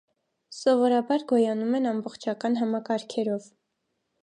Սովորաբար գոյանում են ամբողջական համակարգերով։